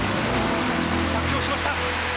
しかし、着氷しました！